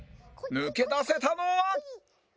抜け出せたのは